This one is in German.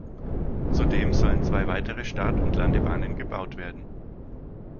Zudem sollen zwei weitere Start- und Landebahnen gebaut werden.